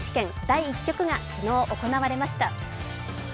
第一局が昨日、行われました。